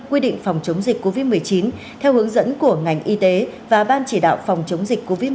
quy định phòng chống dịch covid một mươi chín theo hướng dẫn của ngành y tế và ban chỉ đạo phòng chống dịch covid một mươi chín